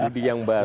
budi yang baru